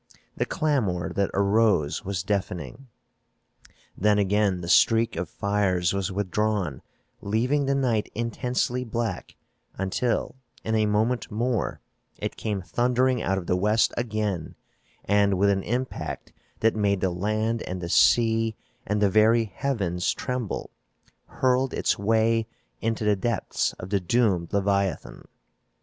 The clamor that arose was deafening. Then again the streak of fires was withdrawn, leaving the night intensely black until, in a moment more, it came thundering out of the west again and, with an impact that made the land and the sea and the very heavens tremble, hurled its way into the depths of the doomed leviathan.